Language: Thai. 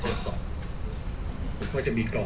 ส่วนยังแบร์ดแซมแบร์ด